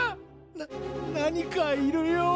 ななにかいるよ。